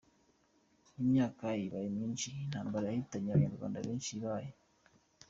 Imyaka ibaye myinshi intambara yahitanye abanyarwanda benshi ibaye.